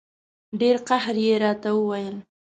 ډېر قهر یې راته وویل.